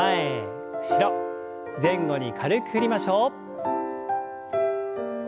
前後に軽く振りましょう。